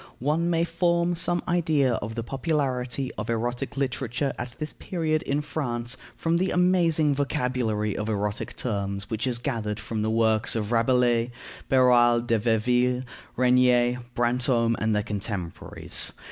One may form some idea of the popularity of erotic literature at this period in France from the amazing vocabulary of erotic terms which is gathered from the works of Rabelais, Beroald de Verville, Regnier, Brantome, and their contemporaries.